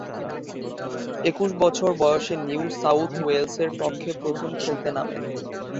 একুশ বছর বয়সে নিউ সাউথ ওয়েলসের পক্ষে প্রথম খেলতে নামেন।